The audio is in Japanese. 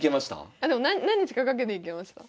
あでも何日かかけていけました。